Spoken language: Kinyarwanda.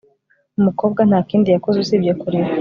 Umukobwa nta kindi yakoze usibye kurira